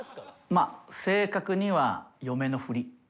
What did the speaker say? まあ正確には嫁のふり。